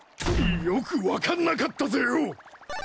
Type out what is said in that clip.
よく分かんなかったぜよ！